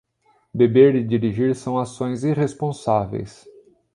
Beber e dirigir são ações irresponsáveis.